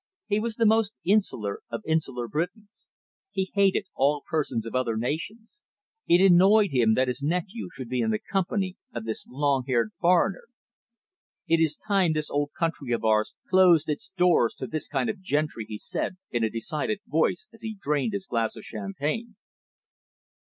He was the most insular of insular Britons. He hated all persons of other nations. It annoyed him that his nephew should be in the company of this long haired foreigner. "It is time this old country of ours closed its doors to this kind of gentry," he said, in a decided voice, as he drained his glass of champagne.